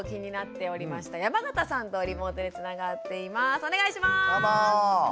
お願いします。